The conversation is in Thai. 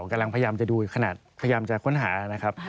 กำลังพยายามจะดูขนาดพยายามจะค้นหานะครับ